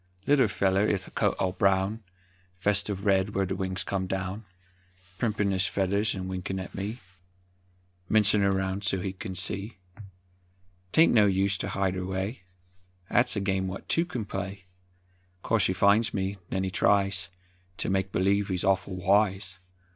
Little feller 'ith coat all brown, Vest uv red wher' the wings come down, Primpin' his feathers 'n winkin' at me, Mincin' er round so he kin see; 'Taint no use ter hide erway, 'At's a game what two can play; 'Course he finds me, 'nen he tries Ter make believe he's awful wise.